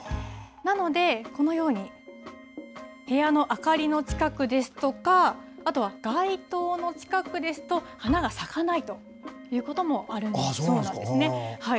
なので、このように部屋の明かりの近くですとか、あとは街灯の近くですと花が咲かないということもあるんだそうでそうなんですか。